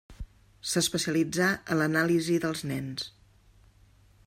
S'especialitzà en l'anàlisi dels nens.